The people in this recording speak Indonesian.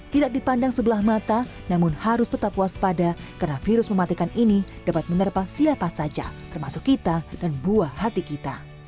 tidak dipandang sebelah mata namun harus tetap waspada karena virus mematikan ini dapat menerpa siapa saja termasuk kita dan buah hati kita